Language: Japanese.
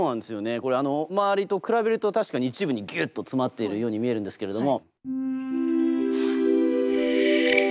これ周りと比べると確かに一部にギュッと詰まっているように見えるんですけれども。